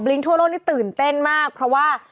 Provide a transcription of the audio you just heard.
ทั่วโลกนี่ตื่นเต้นมากเพราะว่า